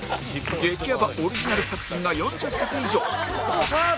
激やばオリジナル作品が４０作以上